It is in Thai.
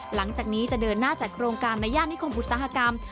หลังจากนี้จะเดินหน้าจัดโครงการในย่านนิคมอุตสาหกรรม